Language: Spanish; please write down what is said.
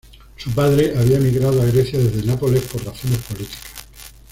Su padre había emigrado a Grecia desde Nápoles por razones políticas.